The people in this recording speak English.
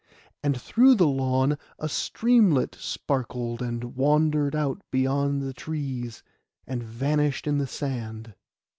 And through the lawn a streamlet sparkled and wandered out beyond the trees, and vanished in the sand.